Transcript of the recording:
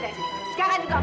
mendingan kamu keluar